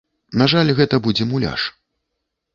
На жаль, гэта будзе муляж.